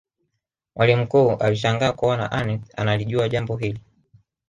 mwalimu mkuu alishangaa kuona aneth analijua jambo hili